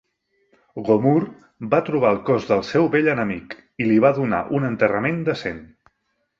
Gomurr va trobar el cos del seu vell enemic, i li va donar un enterrament decent.